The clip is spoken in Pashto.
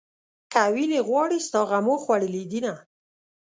که وينې غواړې ستا غمو خوړلې دينه